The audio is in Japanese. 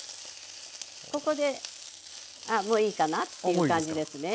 ここであっもういいかなっていう感じですね。